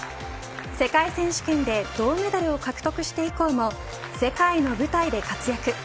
世界選手権で銅メダルを獲得して以降も世界の舞台で活躍。